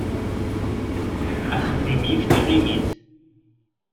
Axeddim yif tiɣimit.